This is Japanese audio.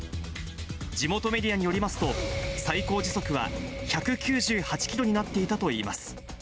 地元メディアによりますと、最高時速は１９８キロになっていたといいます。